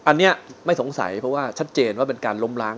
อันนี้ไม่สงสัยเพราะว่าชัดเจนว่าเป็นการล้มล้าง